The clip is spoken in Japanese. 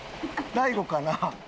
大悟かな？